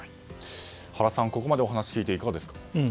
原さん、ここまで話を聞いていかがですか。